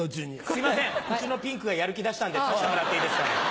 すいませんうちのピンクがやる気出したんで指してもらっていいですかね。